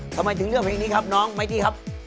ทำไมถึงเลือกเพลงนี้ครับน้องไมตี้ครับ